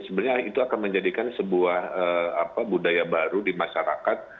sebenarnya itu akan menjadikan sebuah budaya baru di masyarakat